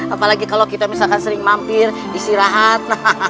apalagi kalau kita misalkan sering mampir istirahat